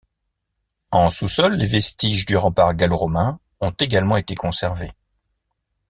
En sous-sol, les vestiges du rempart gallo-romain ont également été conservés.